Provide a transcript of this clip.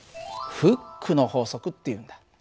フックの法則っていうんだ。